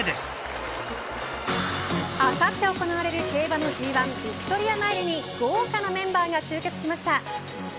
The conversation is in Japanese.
あさって行われる競馬のＧ１ヴィクトリアマイルに豪華なメンバーが集結しました。